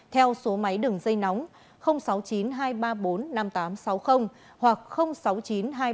theo số máy đừng dây nóng sáu mươi chín hai trăm ba mươi bốn năm nghìn tám trăm sáu mươi hoặc sáu mươi chín hai trăm ba mươi hai một nghìn sáu trăm sáu mươi bảy